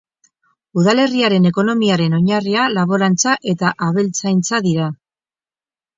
Udalerriaren ekonomiaren oinarria laborantza eta abeltzaintza dira.